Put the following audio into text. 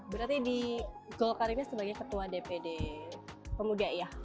berarti di golkarimnya sebagai ketua dpd pemuda ya